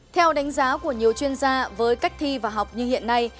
theo đánh giá của nhiều chuyên gia với cách thi và học như hiện nay